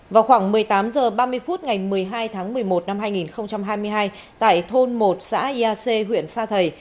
vào khoảng một mươi tám h ba mươi phút ngày một mươi hai tháng một mươi một năm hai nghìn hai mươi hai tại thôn một xã ya sê huyện sa thầy